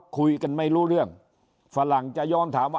คุยกันไม่รู้เรื่องฝรั่งจะย้อนถามว่า